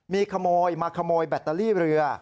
มีขโมยมาขโมยแบตเตอรี่เรือ